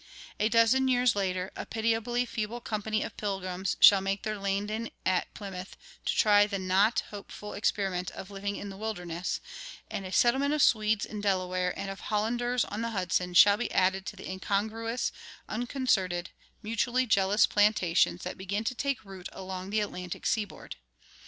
A dozen years later a pitiably feeble company of Pilgrims shall make their landing at Plymouth to try the not hopeful experiment of living in the wilderness, and a settlement of Swedes in Delaware and of Hollanders on the Hudson shall be added to the incongruous, unconcerted, mutually jealous plantations that begin to take root along the Atlantic seaboard.